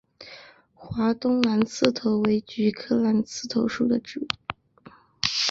华东蓝刺头为菊科蓝刺头属的植物。